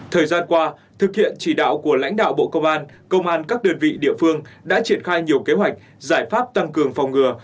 thời gian qua thực hiện chỉ đạo của lãnh đạo bộ công an công an các đơn vị địa phương đã triển khai nhiều kế hoạch giải pháp tăng cường phòng ngừa